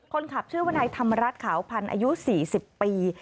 คนขับชื่อวนายธรรมรัฐขาวพันธ์อายุ๔๐ปี